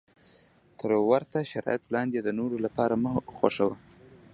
تر ورته شرایطو لاندې یې د نورو لپاره مه خوښوه.